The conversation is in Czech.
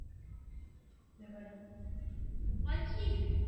Po skončení aktivní hráčské kariéry se stal trenérem.